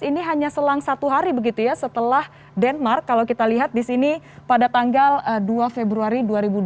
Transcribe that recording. ini hanya selang satu hari begitu ya setelah denmark kalau kita lihat di sini pada tanggal dua februari dua ribu dua puluh